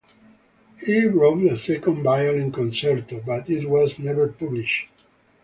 He wrote a second violin concerto, but it was never published.